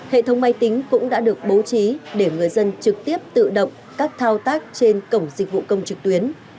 hệ thống máy tính cũng đã được bố trí để người dân trực tiếp tự động các thao tác trên cổng dịch vụ công trực tuyến